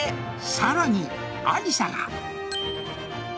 さらにありさが。